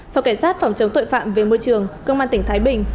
phòng cảnh sát phòng chống tội phạm về môi trường công an tỉnh thái bình